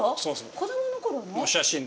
子どもの頃の？